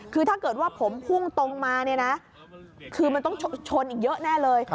คือถ้าเกิดว่าผมพุ่งตรงมาเนี่ยนะคือมันต้องชนอีกเยอะแน่เลย